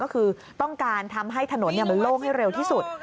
ก็คือต้องการทำให้ถนนมันโล่งให้เร็วที่สุด